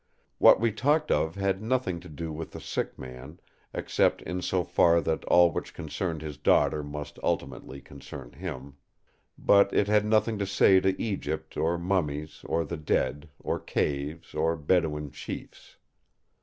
What we talked of had nothing to do with the sick man, except in so far that all which concerned his daughter must ultimately concern him. But it had nothing to say to Egypt, or mummies, or the dead, or caves, or Bedouin chiefs.